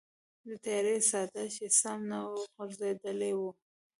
د تیارې څادر چې سم نه وغوړیدلی و.